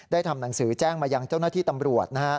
ทำหนังสือแจ้งมายังเจ้าหน้าที่ตำรวจ